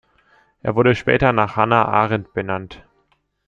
Er wurde später nach Hannah Arendt benannt.